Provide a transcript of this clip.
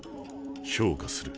評価する。